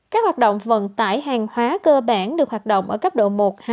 các hoạt động vận tải hàng hóa cơ bản được hoạt động ở cấp độ một hai